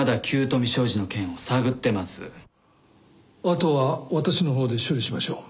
あとは私のほうで処理しましょう。